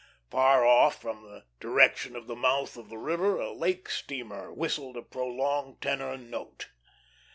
Far off, from the direction of the mouth of the river, a lake steamer whistled a prolonged tenor note.